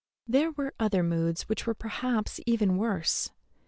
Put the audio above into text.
There were other moods which were perhaps even worse.